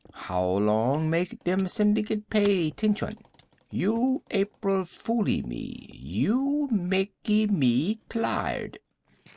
How Long make em slyndicate pay tention. You April foolee me. You makee me tlired.